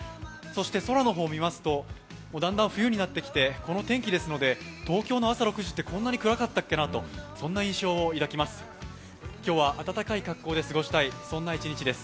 空の方を見ますと、だんだん冬になってきてこの天気ですので東京の朝６時ってこんなに暗かったっけなとそんな印象を抱きます。